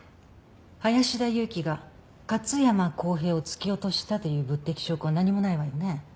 林田裕紀が勝山康平を突き落としたという物的証拠は何もないわよね。